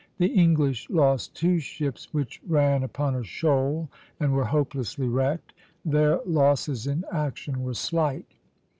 The English lost two ships which ran upon a shoal (a), and were hopelessly wrecked; their losses in action were slight.